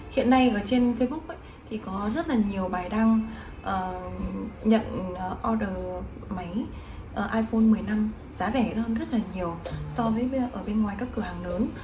hiện nay trên facebook có rất nhiều bài đăng nhận order máy iphone một mươi năm giá rẻ rất nhiều so với bên ngoài các cửa hàng lớn